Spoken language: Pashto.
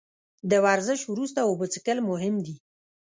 د ورزش وروسته اوبه څښل مهم دي